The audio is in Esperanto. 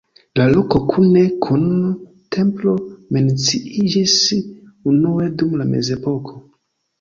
La loko kune kun templo menciiĝis unue dum la mezepoko.